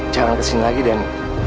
jangan kesini lagi dan